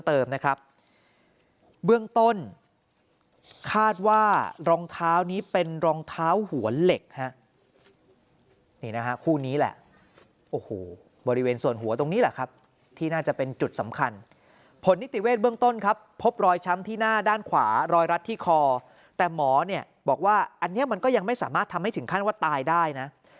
เท้าหัวเหล็กนี่นะครับคู่นี้แหละโอ้โหบริเวณส่วนหัวตรงนี้ละครับที่น่าจะเป็นจุดสำคัญผลนิติเวทเบื้องต้นครับพบรอยช้ำที่หน้าด้านขวารอยรัดที่คอแต่หมอนี่บอกว่าอัเนี่ยมันก็ยังไม่สามารถทำให้ถึงขั้นว่าตายได้นะ